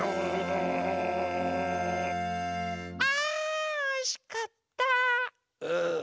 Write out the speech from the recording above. あおいしかった！